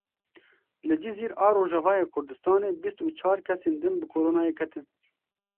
Li Cizîr a Rojavayê Kurdistanê bîst û çar kesên din bi Koronayê ketin.